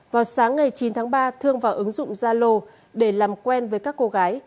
vào sáng ngày chín tháng ba thương vào ứng dụng zalo để làm quen với các cô gái